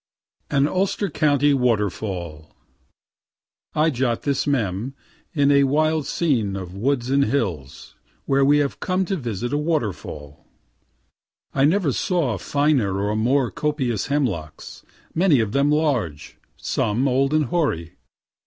AN ULSTER COUNTY WATERFALL I jot this mem, in a wild scene of woods and hills, where we have come to visit a waterfall. I never saw finer or more copious hemlocks, many of them large, some old and hoary.